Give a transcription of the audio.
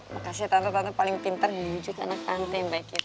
makasih tante tante paling pintar menunjukkan anak tante yang baik itu